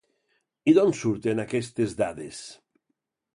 I d’on surten aquestes dades?